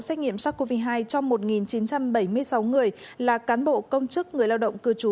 xét nghiệm sars cov hai cho một chín trăm bảy mươi sáu người là cán bộ công chức người lao động cư trú